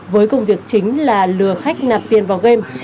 với công việc chính là lừa khách nạp tiền vào game